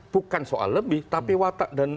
bukan soal lebih tapi watak dan